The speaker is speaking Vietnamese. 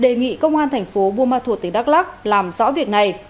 đề nghị công an thành phố buôn ma thuột tỉnh đắk lắc làm rõ việc này